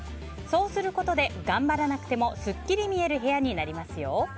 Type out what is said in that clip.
そうすることで頑張らなくてもすっきり見える部屋になりますよ。